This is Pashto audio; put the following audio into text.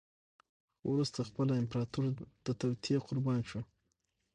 خو وروسته خپله امپراتور د توطیې قربان شو.